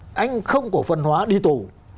là tôi không cổ phần hóa đi tù